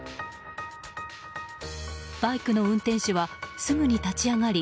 バイクの運転手はすぐに立ち上がり